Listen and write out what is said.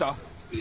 ・え！